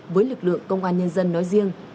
với lực lượng công an nhân dân nói riêng